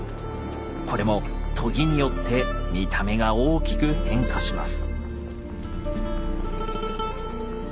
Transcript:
これも研ぎによって見た目が大きく変化します。